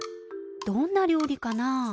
どんな料理かな？